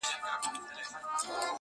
دا نور وزېږي، زلمي سي، بیا زاړه سي!